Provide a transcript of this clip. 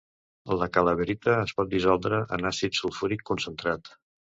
La calaverita es pot dissoldre en àcid sulfúric concentrat.